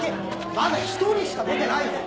まだ１人しか出てないよ。